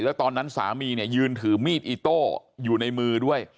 แล้วตอนนั้นสามีเนี่ยยืนถือมีดอิโต้อยู่ในมือด้วย